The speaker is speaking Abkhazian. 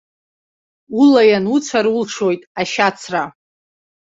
Улаиан уцәар, улшоит ашьацра.